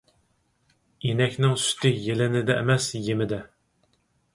ئىنەكنىڭ سۈتى يېلىنىدە ئەمەس، يېمىدە.